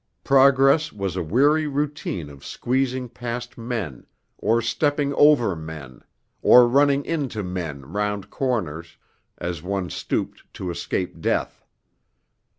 Progress was a weary routine of squeezing past men, or stepping over men, or running into men round corners, as one stooped to escape death.